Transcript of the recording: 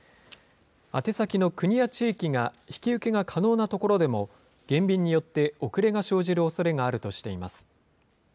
宛先の国や地域が引き受けが可能なところでも、減便によって遅れが生じるおそれがあるとしています。